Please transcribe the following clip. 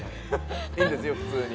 いいんですよ普通に。